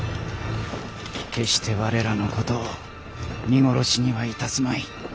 決して我らのことを見殺しにはいたすまい。